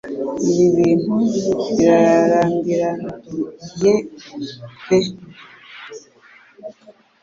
ibi ibintu bira rambira nye pe.